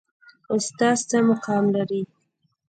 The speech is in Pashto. استاد څه مقام لري؟